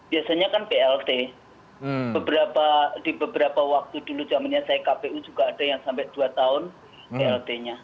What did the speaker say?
biasanya kan plt di beberapa waktu dulu jamannya saya kpu juga ada yang sampai dua tahun plt nya